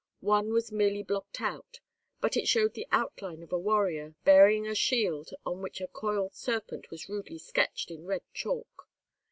One was merely blocked out, but it showed the outline of a warrior, bearing a shield on which a coiled serpent was rudely sketched in red chalk.